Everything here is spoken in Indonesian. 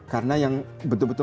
karena yang betul betul